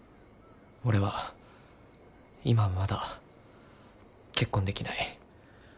俺は今はまだ結婚できない。